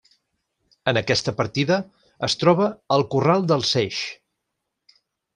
En aquesta partida es troba el Corral del Seix.